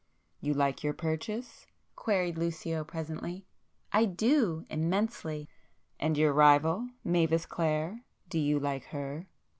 "You like your purchase?" queried Lucio presently. "I do. Immensely!" "And your rival, Mavis Clare? Do you like her?"